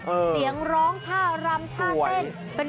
เสียงร้องท่ารำท่าเต้น